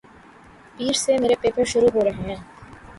پیر سے میرے پیپر شروع ہورہے ھیںـ